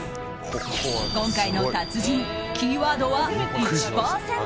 今回の達人、キーワードは１％。